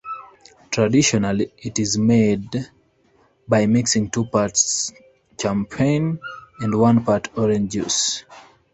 Traditionally, it is made by mixing two parts Champagne and one part orange juice.